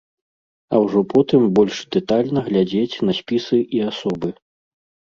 А ўжо потым больш дэтальна глядзець на спісы і асобы.